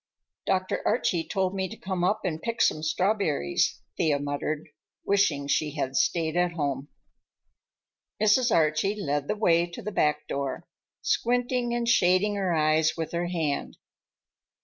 "Dr. Archie told me to come up and pick some strawberries," Thea muttered, wishing she had stayed at home. Mrs. Archie led the way to the back door, squinting and shading her eyes with her hand.